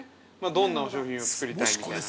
どんな商品を作りたいみたいな。